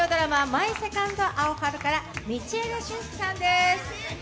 「マイ・セカンド・アオハル」から道枝駿佑さんです。